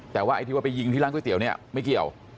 แต่ว่าไปยิงที่ร้านก๋วยเตี๋ยวนี้ไม่เกี่ยว